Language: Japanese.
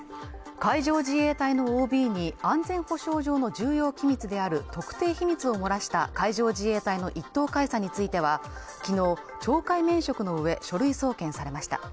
海上自衛隊のＯＢに安全保障上の重要機密である特定秘密を漏らした海上自衛隊の一等海佐については昨日懲戒免職の上書類送検されました